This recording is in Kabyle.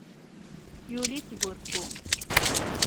Yuli-tt burekku.